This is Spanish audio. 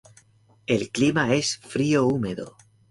El clima es frío húmedo.